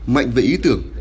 mạnh về ý tưởng